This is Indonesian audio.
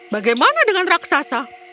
bagaimana dengan raksasa